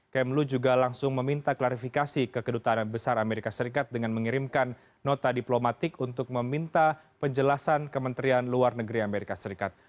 kmlu juga langsung meminta klarifikasi ke kedutaan besar amerika serikat dengan mengirimkan nota diplomatik untuk meminta penjelasan kementerian luar negeri amerika serikat